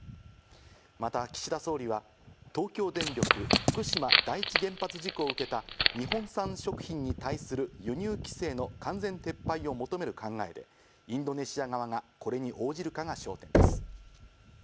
また岸田総理は東京電力・福島第一原発事故を受けた日本産食品に対する輸入規制の完全撤廃を求める考えで、インドネシア側がこれに応じるかが焦点です。